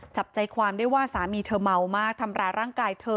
จับใจความได้ว่าสามีเธอเมามากทำร้ายร่างกายเธอ